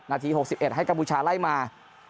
นาที๖๑ให้กัมพูชาไล่มา